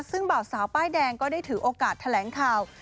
ซึ่งบ่าวสาวป้ายแดงก็ได้ถือโอกาสแถลงข่าว